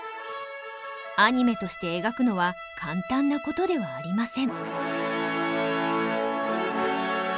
アニメとして描くのは簡単なことではありません。